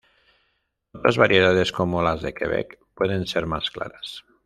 Otras variedades, como las de Quebec, pueden ser más claras.